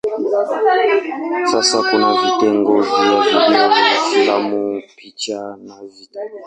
Sasa kuna vitengo vya video, filamu, picha na vitabu.